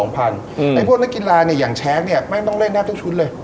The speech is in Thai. พวกนักกินลายอย่างแช๊กเนี่ยมันต้องเล่นหน้าทุกชุดเลย